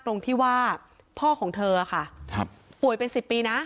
ตรงที่ว่าพ่อของเธอค่ะป่วยเป็น๑๐ปีนะ